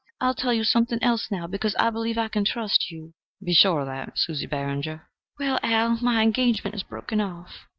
I'll tell you something else now, because I believe I can trust you." "Be sure of that, Susie Barringer." "Well, Al, my engagement is broken off."